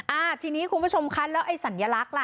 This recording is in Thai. อ่าทีนี้คุณผู้ชมคะแล้วไอ้สัญลักษณ์ล่ะ